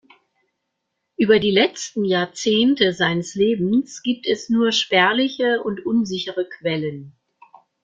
Über die letzten Jahrzehnte seines Lebens gibt es nur spärliche und unsichere Quellen.